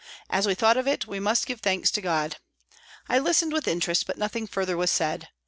As we thought of it, we must give thanks to God. I listened with interest, but nothing further was said.